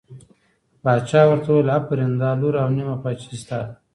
باچا ورته وویل آفرین دا لور او نیمه پاچهي ستا ده.